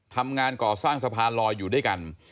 ทำงานก่อสร้างสะพานลอยอยู่ด้วยกัน